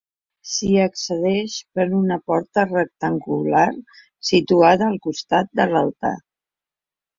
S'hi accedeix per una porta rectangular situada al costat de l'altar.